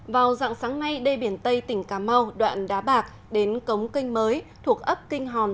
vào dạng sáng nay đê biển tây tỉnh cà mau đoạn đá bạc đến cống kênh mới thuộc ấp kinh hòn